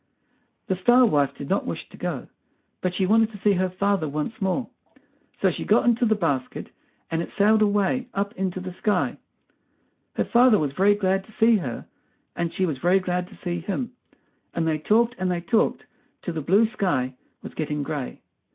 The Star wife did not wish to go, but she wanted to see her father once more, so she got into the basket and it sailed away up into the sky. Her father was very glad to see her, and she was very glad to see him, and they talked and they talked till the blue sky was getting gray.